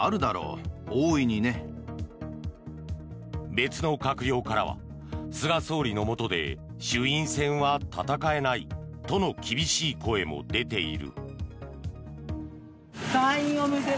別の閣僚からは菅総理のもとで衆院選は戦えないとの厳しい声も出ている。